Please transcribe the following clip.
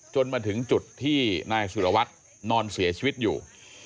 จนมาถึงจุดที่นายสุรวัตรนอนเสียชีวิตอยู่